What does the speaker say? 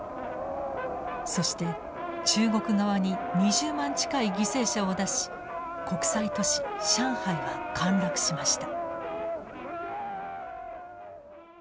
そして中国側に２０万近い犠牲者を出し国際都市上海は陥落しました。